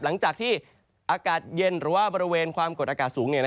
หลังจากที่อากาศเย็นหรือว่าบริเวณความกดอากาศสูง